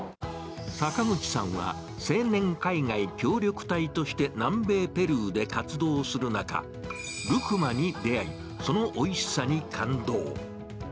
阪口さんは、青年海外協力隊として南米ペルーで活動する中、ルクマに出会い、そのおいしさに感動。